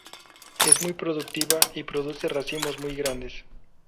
Es muy productiva y produce racimos muy grandes.